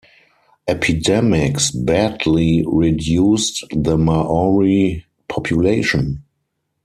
Epidemics badly reduced the Maori population.